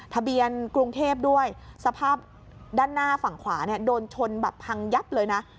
ทะเบียนกรุงเทพฯด้านหน้าฝั่งขวาโดนชนแบบพังยับเลยนะ